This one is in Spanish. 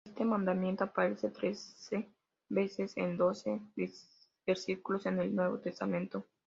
Este mandamiento aparece trece veces en doce versículos en el Nuevo Testamento.